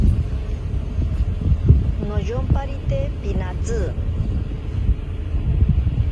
Noyomparite pinatsi.